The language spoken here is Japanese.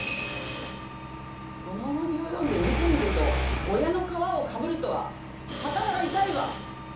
この期に及んでぬけぬけと親の皮をかぶるとは片腹痛いわ！